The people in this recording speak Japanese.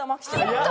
やった！